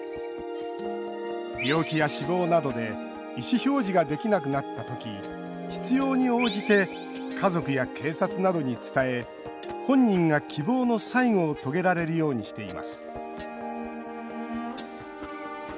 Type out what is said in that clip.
病気や死亡などで意思表示ができなくなった時必要に応じて家族や警察などに伝え本人が希望の最期を遂げられるようにしています。